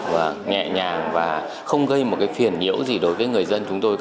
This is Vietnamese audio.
và nhẹ nhàng và không gây một cái phiền nhiễu gì đối với người dân chúng tôi cả